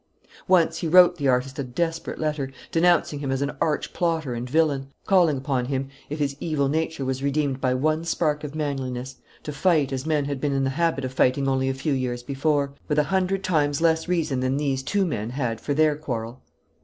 Once he wrote the artist a desperate letter, denouncing him as an arch plotter and villain; calling upon him, if his evil nature was redeemed by one spark of manliness, to fight as men had been in the habit of fighting only a few years before, with a hundred times less reason than these two men had for their quarrel.